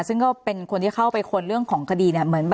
ซึ่งก็เป็นคนที่เข้าไปค้นเรื่องของคดีเนี่ย